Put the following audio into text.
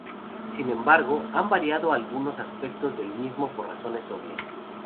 Sin embargo, han variado algunos aspectos del mismo, por razones obvias.